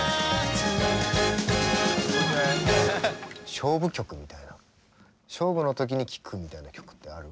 勝負曲みたいな勝負の時に聴くみたいな曲ってある？